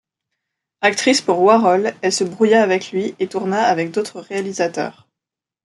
Actrice pour Warhol, elle se brouilla avec lui et tourna avec d'autres réalisateurs.